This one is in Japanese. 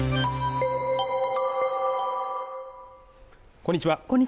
こんにちは